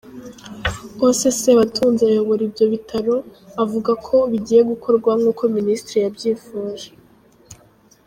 Osse Sebatunzi ayobora ibyo bitaro, avuga ko bigiye gukorwa nk’uko Minisitiri yabyifuje.